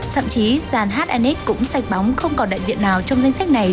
thậm chí sàn hnx cũng sạch bóng không còn đại diện nào trong danh sách này